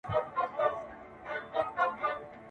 • داسي ورځ درڅخه غواړم را خبر مي خپل ملیار کې -